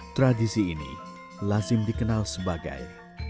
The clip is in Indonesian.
tradisi ini lazim dikenal sebagai